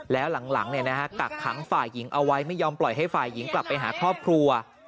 แล้วหลังกักขังฝ่ายหญิงเอาไว้ไม่ยอมปล่อยให้ฝ่ายหญิงกลับไปหาครอบครัว